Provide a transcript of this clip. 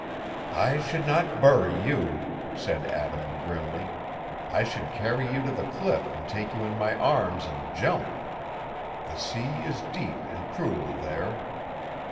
"I should not bury you," said Adam, grimly. "I should carry you to the cliff and take you in my arms and jump. The sea is deep and cruel there."